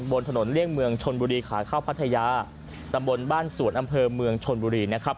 บนถนนเลี่ยงเมืองชนบุรีขาเข้าพัทยาตำบลบ้านสวนอำเภอเมืองชนบุรีนะครับ